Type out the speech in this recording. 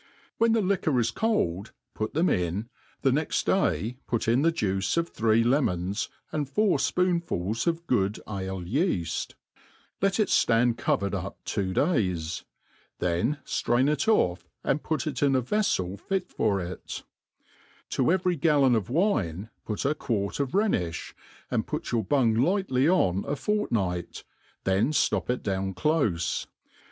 When the liquor is cold, put them in, the next day put in the juice of three lemons, and four fpoonfuls of good ale yeaft. Let it ftand cowered up two days; then ftrain it off, and put it in a vefTel He for k. To evei'y galloaof wine put a quart of Rhenifli, and put your bung ligMly on a fortpi^bt, then ftop it down clofe.